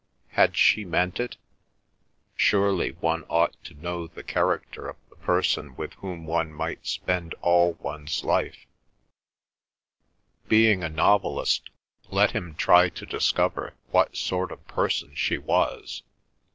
Had she meant it? Surely one ought to know the character of the person with whom one might spend all one's life; being a novelist, let him try to discover what sort of person she was.